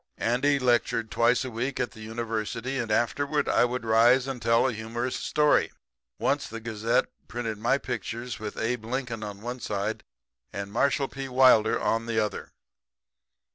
Andy lectured twice a week at the University; and afterward I would rise and tell a humorous story. Once the Gazette printed my pictures with Abe Lincoln on one side and Marshall P. Wilder on the other.